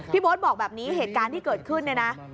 โบ๊ทบอกแบบนี้เหตุการณ์ที่เกิดขึ้นเนี่ยนะ